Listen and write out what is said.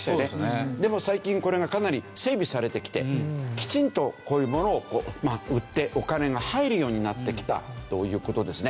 でも最近これがかなり整備されてきてきちんとこういうものをこうまあ売ってお金が入るようになってきたという事ですね。